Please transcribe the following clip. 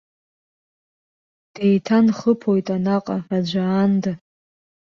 Деиҭанхыԥоит анаҟа аӡәы аанда.